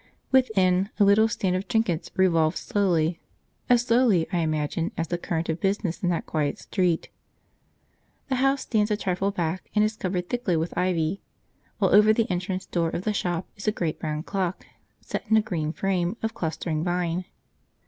Within, a little stand of trinkets revolves slowly; as slowly, I imagine, as the current of business in that quiet street. The house stands a trifle back and is covered thickly with ivy, while over the entrance door of the shop is a great round clock set in a green frame of clustering vine.